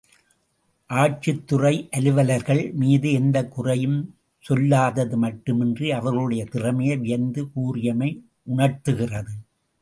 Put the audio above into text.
ஆட்சித்துறை அலுவலர்கள் மீது எந்தக் குறையும் சொல்லாதது மட்டுமின்றி அவர்களுடைய திறமையை வியந்து கூறியமை உணர்த்துகிறது.